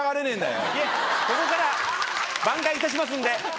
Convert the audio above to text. ここから挽回いたしますんで。